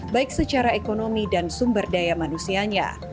baik secara ekonomi dan sumber daya manusianya